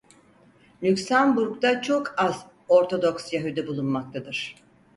Lüksemburg'da çok az Ortodoks Yahudi bulunmaktadır.